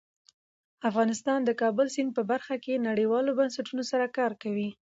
افغانستان د د کابل سیند په برخه کې نړیوالو بنسټونو سره کار کوي.